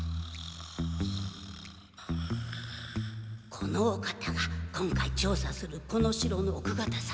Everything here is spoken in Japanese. このお方が今回調査するこの城の奥方様ね。